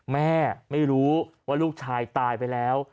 แม่ไม่รู้ว่าลูกชายตายไปแล้ว